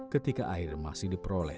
ketika air masih diperoleh